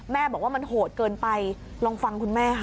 บอกว่ามันโหดเกินไปลองฟังคุณแม่ค่ะ